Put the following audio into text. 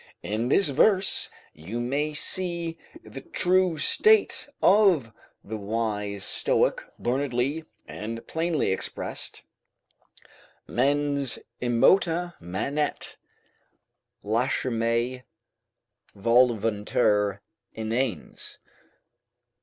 In this verse you may see the true state of the wise Stoic learnedly and plainly expressed: "Mens immota manet; lachrymae volvuntur inanes."